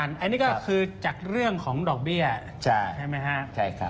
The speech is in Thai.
อันนี้ก็คือจากเรื่องของดอกเบี้ยใช่ไหมครับ